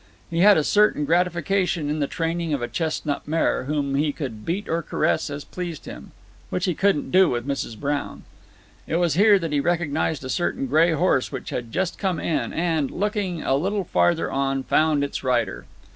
He had a certain gratification in the training of a chestnut mare, whom he could beat or caress as pleased him, which he couldn't do with Mrs. Brown. It was here that he recognized a certain gray horse which had just come in, and, looking a little farther on, found his rider.